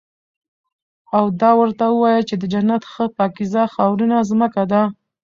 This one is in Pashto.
او دا ورته ووايه چې د جنت ښه پاکيزه خاورينه زمکه ده